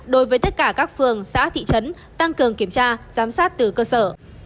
đối với tất cả các phường xã thị trấn tăng cường kiểm tra giám sát từ cơ sở